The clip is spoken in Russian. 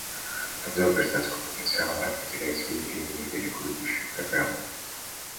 Обзор гражданского потенциала определяет своевременную и далеко идущую программу.